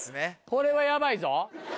これはヤバいぞ。